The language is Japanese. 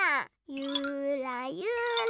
ゆらゆら。